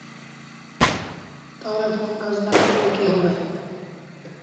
তাহলে, ফোন কাজ না করলে কি হবে?